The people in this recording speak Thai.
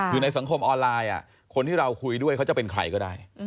คือในสังคมออนไลน์คนที่เราคุยด้วยเขาจะเป็นใครก็ได้